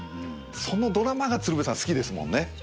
そのドラマが鶴瓶さん好きですもんね。